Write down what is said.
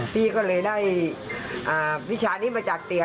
พี่ก็เลยได้วิชานี้มาจากเตี๋ย